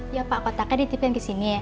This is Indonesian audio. ya pak kotaknya ditipin kesini